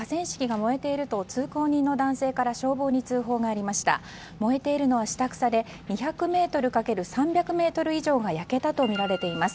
燃えているのは下草で２００ｍ×３００ｍ以上が焼けたとみられています。